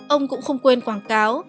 ông cũng không quên quảng cáo